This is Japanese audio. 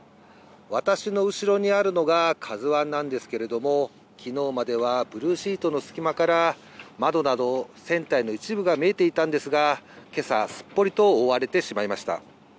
私の後ろにあるのが、ＫＡＺＵＩなんですけれども、きのうまではブルーシートの隙間から、窓など船体の一部が見えていたんですが、けさ、すっぽりと覆われてしまいました。